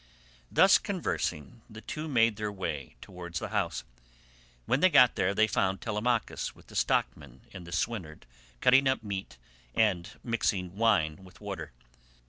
Thus conversing the two made their way towards the house. When they got there they found Telemachus with the stockman and the swineherd cutting up meat and mixing wine with water.